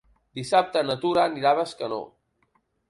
Dissabte na Tura anirà a Bescanó.